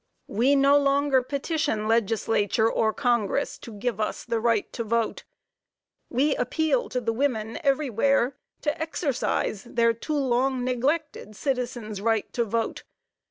We no longer petition Legislature or Congress to give us the right to vote. We appeal to the women everywhere to exercise their too long neglected "citizen's right to vote."